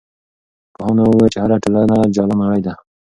پوهانو وویل چې هره ټولنه جلا نړۍ ده.